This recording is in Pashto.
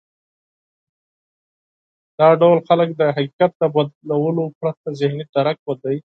دا ډول خلک د حقيقت له بدلولو پرته ذهني درک بدلوي.